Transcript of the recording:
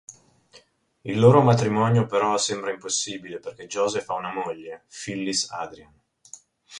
Il loro matrimonio però sembra impossibile perché Joseph ha una moglie, Phyllis Adrian.